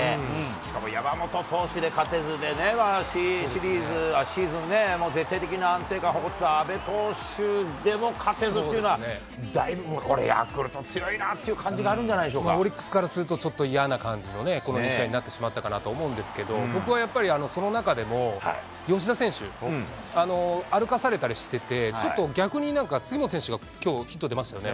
しかもやまもと投手で勝てずでね、シーズンね、絶対的な安定感を誇ってた阿部投手でも勝てずっていうのは、だいぶ、これ、ヤクルト強いなっていう感じがあるんじゃないでしオリックスからすると、ちょっと嫌な感じの、この２試合になってしまったかなと思うんですけど、僕はやっぱりその中でも、吉田選手、歩かされたりしてて、ちょっと逆になんか、杉本選手が、きょう、ヒット出ましたよね。